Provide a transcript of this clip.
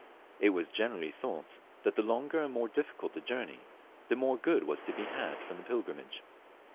It was generally thought that the longer and more difficult the journey, the more good was to be had from the pilgrimage.